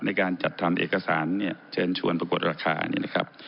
ในการจัดทำเอกสารเช่นชวนปรากฏราคา